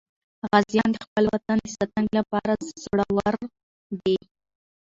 غازیان د خپل وطن د ساتنې لپاره زړور دي.